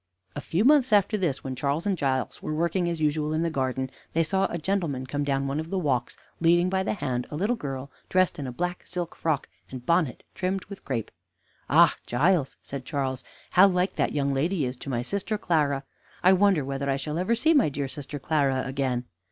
A few months after this, when Charles and Giles were working as usual in the garden, they saw a gentleman come down one of the walks, leading by the hand a little girl dressed in a black silk frock and bonnet trimmed with crape. "Ah, Giles," said Charles, "how like that young lady is to my sister Clara. I wonder whether I shall ever see my dear sister Clara again."